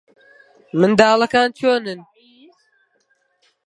منداڵەکان چۆنن؟